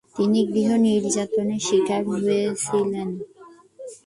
তিনি গৃহ নির্যাতনের শিকার হয়েছিলেন।